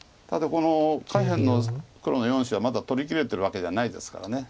ただこの下辺の黒の４子はまだ取りきれてるわけじゃないですから。